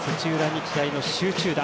日大の集中打